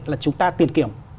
là chúng ta tiền kiểm